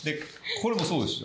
これもそうです。